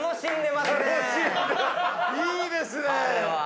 いいですね！